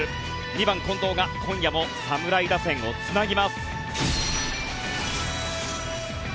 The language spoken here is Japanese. ２番、近藤が今夜も侍打線をつなぎます。